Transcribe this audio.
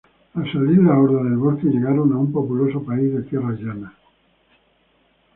Al salir la horda del bosque, llegaron a un populoso país de tierras llanas.